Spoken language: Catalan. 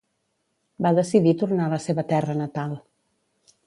Va decidir tornar a la seva terra natal.